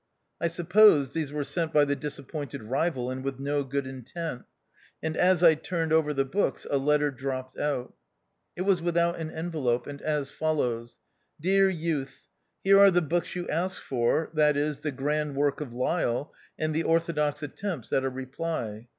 I supposed these were sent by the disappointed rival, and with no good intent ; and as I turned over the books a letter dropped out. It was without an envelope, and as follows :—" Dear Youth, — Here are the books you ask for, viz., the grand work of Lyell, and the orthodox attempts at a reply.